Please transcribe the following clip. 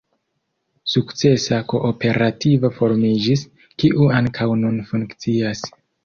Sukcesa kooperativo formiĝis, kiu ankaŭ nun funkcias.